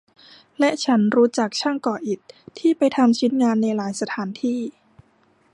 และฉันรู้จักช่างก่ออิฐที่ไปทำชิ้นงานในหลายสถานที่